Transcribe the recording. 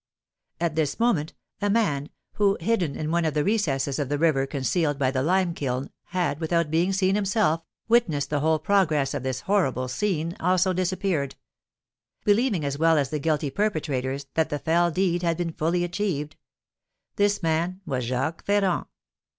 At this moment a man who, hidden in one of the recesses of the river concealed by the lime kiln, had, without being seen himself, witnessed the whole progress of this horrible scene, also disappeared; believing, as well as the guilty perpetrators, that the fell deed had been fully achieved. This man was Jacques Ferrand.